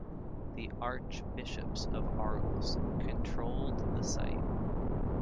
The archbishops of Arles controlled the site.